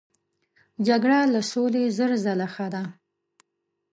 جګړه له سولې زر ځله ښه ده.